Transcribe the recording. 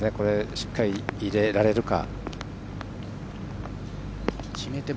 しっかり入れられるか。